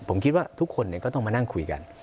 ผมคิดว่าทุกคนก็ต้องมานั่งคุยกัน